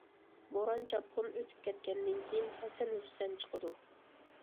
بوران- چاپقۇن ئۆتۈپ كەتكەندىن كېيىن ھەسەن- ھۈسەن چىقىدۇ.